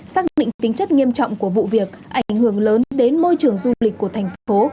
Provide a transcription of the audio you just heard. xác định tính chất nghiêm trọng của vụ việc ảnh hưởng lớn đến môi trường du lịch của thành phố